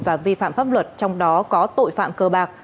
và vi phạm pháp luật trong đó có tội phạm cơ bạc